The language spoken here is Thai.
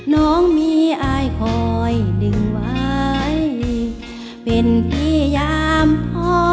น้องมีอายคอยดึงไว้เป็นพี่ยามพ่อ